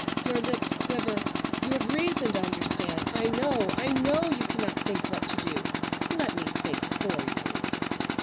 Your lips quiver! You have reason to understand. I know, I know you cannot think what to do. Let me think for you."